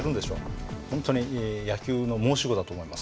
本当に野球の申し子だと思います。